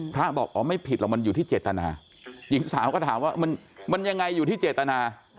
พระบอกอ๋อไม่ผิดหรอกมันอยู่ที่เจตนาหญิงสาวก็ถามว่ามันยังไงอยู่ที่เจตนา